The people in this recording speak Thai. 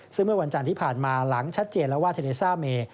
ซึ่งเมื่อวันจันทร์ที่ผ่านมาหลังชัดเจนแล้วว่าเทเลซ่าเม